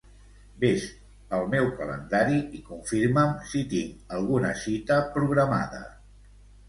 Ves al meu calendari i confirma'm si tinc alguna cita programada.